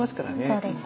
そうですね。